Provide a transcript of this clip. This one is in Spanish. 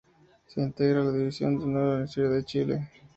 Se integra a la división de honor, Universidad de Chile.